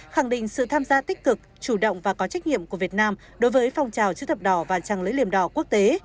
khẳng định sự tham gia tích cực chủ động và có trách nhiệm của việt nam đối với phong trào chữ thập đỏ và trang lư liềm đỏ quốc tế